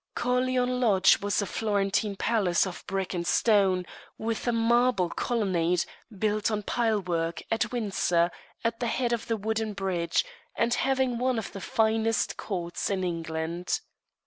Corleone Lodge was a Florentine palace of brick and stone, with a marble colonnade, built on pilework, at Windsor, at the head of the wooden bridge, and having one of the finest courts in England.